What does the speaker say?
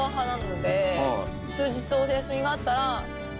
数日お休みがあったら。